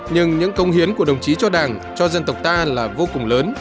nhưng những công hiến của đồng chí cho đảng cho dân tộc ta là vô cùng lớn